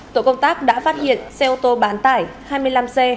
tổ công tác đã phát hiện xe ô tô bán tải hai mươi năm c hai nghìn chín trăm chín mươi năm